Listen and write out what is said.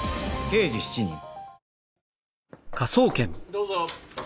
どうぞ。